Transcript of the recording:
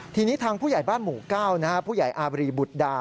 ทีนี้ทางผู้ใหญ่บ้านหมู่๙ผู้ใหญ่อาบรีบุตรดา